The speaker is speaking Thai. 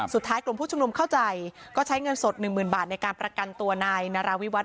สุดท้ายกลุ่มผู้ชุมนุมเข้าใจก็ใช้เงินสดหนึ่งหมื่นบาทในการประกันตัวนายนาราวิวัต